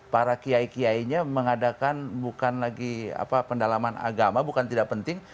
para kiai kiainya mengadakan bukan lagi pendalaman agama bukan tidak penting